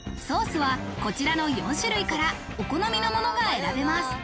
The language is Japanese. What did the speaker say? ソースはこちらの４種類から、お好みのものが選べます。